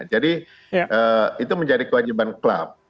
itu menjadi kewajiban klub